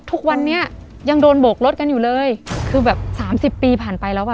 ทุกวันนี้ยังโดนโบกรถกันอยู่เลยคือแบบสามสิบปีผ่านไปแล้วอ่ะ